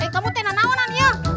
eh kamu tenang awan aniel